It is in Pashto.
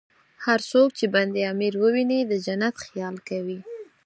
هر څوک چې بند امیر ویني، د جنت خیال کوي.